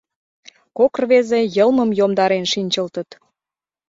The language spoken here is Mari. Кок рвезе йылмым йомдарен шинчылтыт.